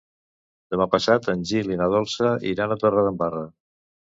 Demà passat en Gil i na Dolça iran a Torredembarra.